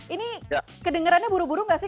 ini kedengerannya buru buru gak sih